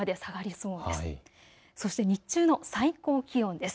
そして日中の最高気温です。